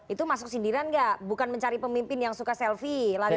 itu masuk sindiran gak bukan mencari pemimpin yang suka selfie lalu